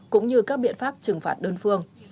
cũng như các biện pháp trừng phạt đơn phương